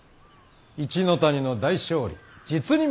一ノ谷の大勝利